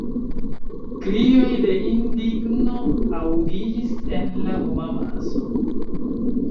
Krioj de indigno aŭdiĝis en la homamaso.